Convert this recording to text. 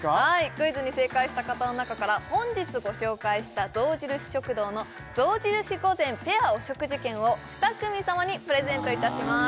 クイズに正解した方の中から本日ご紹介した象印食堂の象印御膳ペアお食事券を２組様にプレゼントいたします